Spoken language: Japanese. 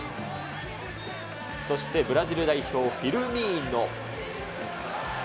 そしてブラジル代表、フィルミーノ。